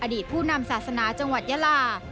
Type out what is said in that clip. ผู้นำศาสนาจังหวัดยาลา